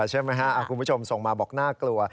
กลัวใช่ไหมฮะคุณผู้ชมส่งมาบอกน่ากลัว